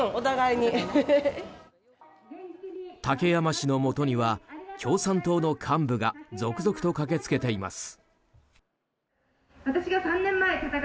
武山氏のもとには共産党の幹部が続々と駆けつけています。